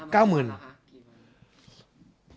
กี่บาทอ่ะ